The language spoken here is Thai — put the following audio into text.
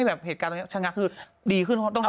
วันที่๔